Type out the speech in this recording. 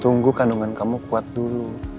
tunggu kandungan kamu kuat dulu